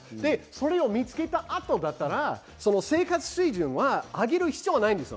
それを見つけた後だったら生活水準は上げる必要はないんです。